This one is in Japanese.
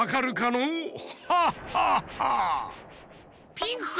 ピンクか？